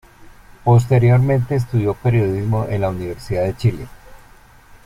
Posteriormente estudió Periodismo en la Universidad de Chile.